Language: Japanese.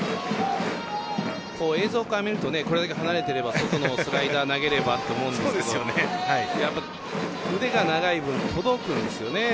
映像から見るとこれだけ離れていれば外のスライダーを投げればと思うんですが腕が長い分、届くんですよね。